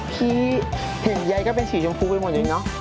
พี่เห็นใยก็เป็นสีชมพูไปหมดเลยเนอะ